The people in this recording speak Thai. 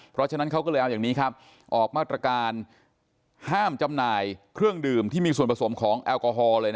เพราะฉะนั้นเขาก็เลยเอาอย่างนี้ครับออกมาตรการห้ามจำหน่ายเครื่องดื่มที่มีส่วนผสมของแอลกอฮอลเลย